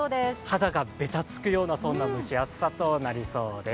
肌がべたつくような蒸し暑さとなりそうです。